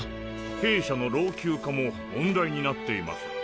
兵舎の老朽化も問題になっています。